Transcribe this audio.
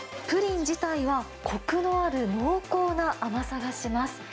プリン自体はこくのある濃厚な甘さがします。